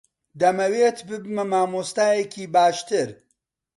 دەمەوێت ببمە مامۆستایەکی باشتر.